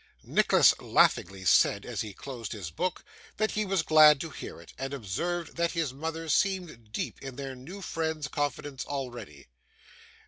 Nicholas laughingly said, as he closed his book, that he was glad to hear it, and observed that his mother seemed deep in their new friend's confidence already.